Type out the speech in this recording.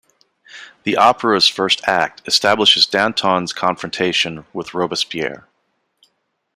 The opera's first act establishes Danton's confrontation with Robespierre.